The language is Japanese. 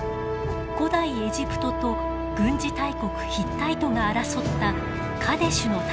古代エジプトと軍事大国ヒッタイトが争ったカデシュの戦いです。